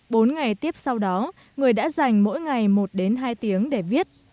bốn ngày tiếp sau đó người đã dành mỗi ngày một đến hai tiếng để viết